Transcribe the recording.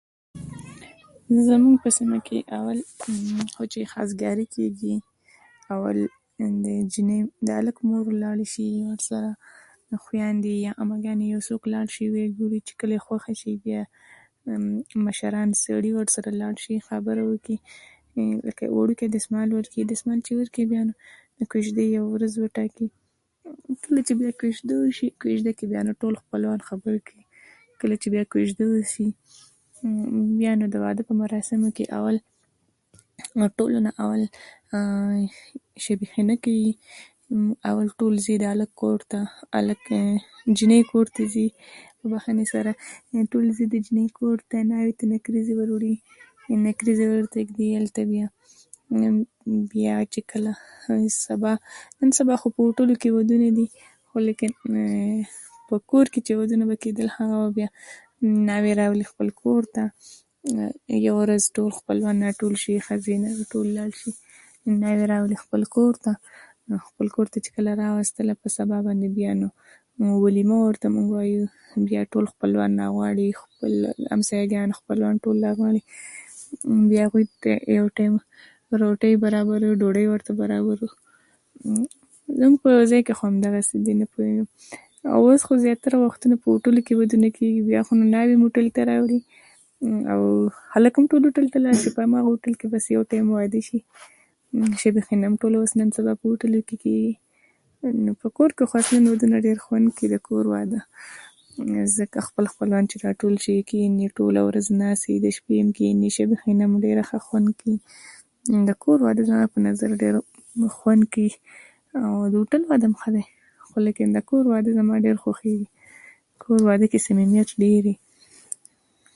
زمونږ په سیمه کې اول حجره، خواستګاري کېږي. اول د جلۍ د هلک مور لاړه شي، ورسره خوېندې او عمه ګانې، یو څوک لاړ شي، وګوري چې کله یې خوښه شي، بیا مشران سړي ورسره لاړ شي، خبرې وکړي، لکه وړکي دستمال ورکړي. دستمال چې ورکړي، بیا د کوژدې یوه ورځ وټاکي. کله چې بیا کوژده وشي، کوژده کې بیا نو ټول خپلوان خبرې کوي. کله چې بیا کوژده وشي، بیا نو د واده په مراسمو کې اول، تر ټولو نه اول، شب حنا کېږي. اول ټول ځي د هلک کور ته، هلک جلۍ کور ته ځي، په بخښنه سره، ټول ځي د جنۍ کور ته. ناوې ته نکریزې ور وړي، نکریزې ورته ږدي. هلته بیا بیا چې کله، نن سبا نن سبا خو هوټلونو کې ودونه دي، خو لیکن په کور کې چې ودونه بو کېدل، هغه بیا ناوې راولي خپل کور ته. یوه ورځ ټول خپلوان راټول شي، ښځې او نر ټول لاړ شي، ناوې راولي خپل کور ته. خپل کور ته چې کله راوستله، په سبا باندې بیا نو ولیمه، موږ ورته وایو. بیا ټول خپلوان غواړي، خپل همسایه ګان، خپلوان، ټول غواړي. بیا هغوی په یو ټایم روټۍ برابروي، ډوډۍ ورته برابروه. زموږ په ځای کې خو هم دغسې دي، نه پوهېږم. او اوس خو زیاتره وختونه خو هوټلونو کې ودونه کېږي، بیا خو ناوې هوټل ته راوړي او هلک هم، ټول هوټلونو ته راشي. په همغه هوټل کې بس یو ټایم واده شي. شب خینه ټوله نن سبا ټول په هوټلو کې کېږي. او په کور کې خو اصلاً ودونه دیر خوند کوي، د کور واده، ځکه خپل خپلوان چې راټول شي، کېني او ټوله ورځ ناست وي. د شپې هم کېني. د شب خینه هم ډېر ښه خوند کوي. د کور واده، زما په نظر، ډېر خوند کوي، او د هوټل واده هم ښه دی، خو لیکن د کور واده زما ډېر خوښېږي. کور واده کې صمیمیت ډېر وي.